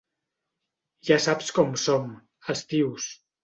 Ja saps com som, els tios.